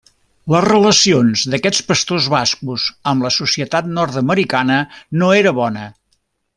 Les relacions d'aquests pastors bascos amb la societat nord-americana no era bona.